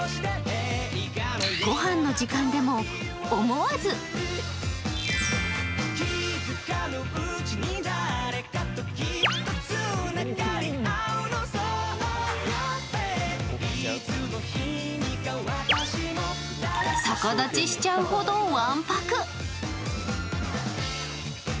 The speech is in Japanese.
御飯の時間でも思わず逆立ちしちゃうほど、わんぱく。